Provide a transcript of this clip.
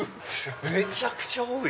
めちゃくちゃ多い！